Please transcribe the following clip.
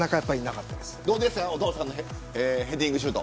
どうですかお父さんのヘディングシュート。